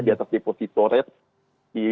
di atas depositornya